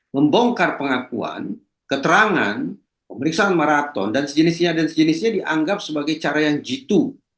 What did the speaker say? membongkar pengakuan keterangan pemeriksaan maraton dan sejenisnya dan sejenisnya dianggap sebagai cara yang jitu